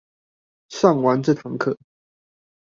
上完這堂課